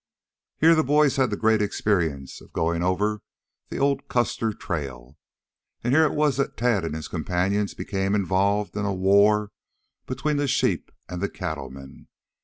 Here the boys had the great experience of going over the old Custer trail, and here it was that Tad and his companions became involved in a "war" between the sheep and the cattle men.